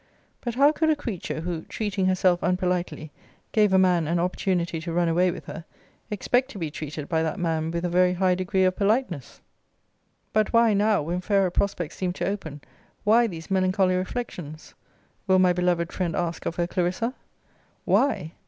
But how could a creature who (treating herself unpolitely) gave a man an opportunity to run away with her, expect to be treated by that man with a very high degree of politeness? But why, now, when fairer prospects seem to open, why these melancholy reflections? will my beloved friend ask of her Clarissa? Why?